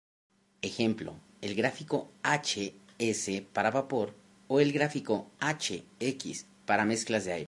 Ejemplo: el gráfico "h"–"s" para vapor o el gráfico "h"–"x" para mezclas de aire.